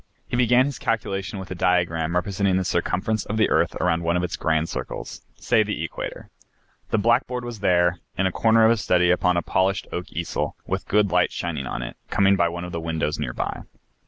He began his calculation with a diagram representing the circumference of the earth around one of its grand circles, say the equator. The blackboard was there, in a corner of his study, upon a polished oak easel, with good light shining on it, coming by one of the windows near by.